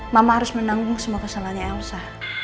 mama harus menanggung semua kesalahannya elsa